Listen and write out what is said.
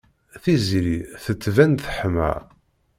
Tiziri tettban teḥma.